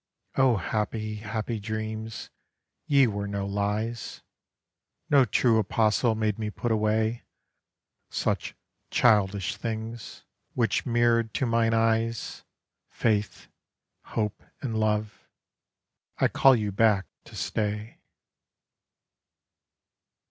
O happy, happy dreams, ye were no lies, No true apostle made me put away Such "childish things," which mirrored to mine eyes Faith, Hope and Love. I call you back to stay.